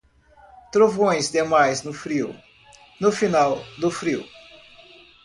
Trovões demais no frio, no final do frio.